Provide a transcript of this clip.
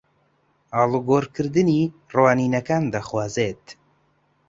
ئاڵوگۆڕکردنی ڕوانینەکان دەخوازێت